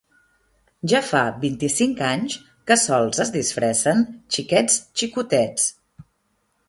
Ja fa vint-i-cinc anys que sols es disfressen xiquets xicotets.